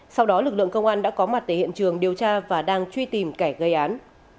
sau đó lực lượng công an đã có mặt tại hiện trường điều tra và đang truy tìm kẻ gây án